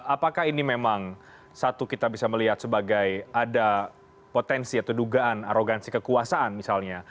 apakah ini memang satu kita bisa melihat sebagai ada potensi atau dugaan arogansi kekuasaan misalnya